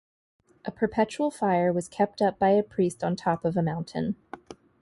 A perpetual fire was kept up by a priest on top of a mountain.